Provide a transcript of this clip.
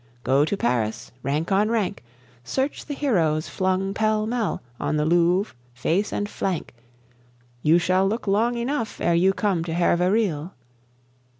Go to Paris: rank on rank Search the heroes flung pell mell On the Louvre, face and flank! You shall look long enough ere you come to Hervé Riel.